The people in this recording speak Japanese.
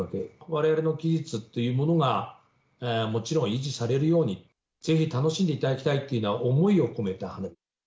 われわれの技術というものが、もちろん維持されるように、ぜひ楽しんでいただきたいというような思いを込めた花火。